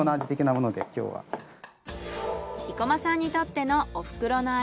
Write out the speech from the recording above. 生駒さんにとってのおふくろの味